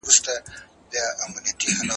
ټولګي تمرین څنګه د پوهي پراختیا کوي؟